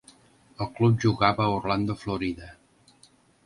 El club jugava a Orlando, Florida.